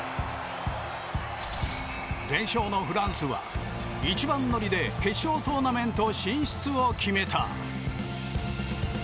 連勝のフランスは一番乗りで決勝トーナメント進出を決めた。